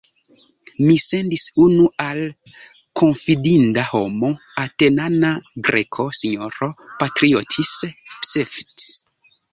Mi sendis unu al konfidinda homo, Atenana Greko, S-ro Patriotis Pseftis.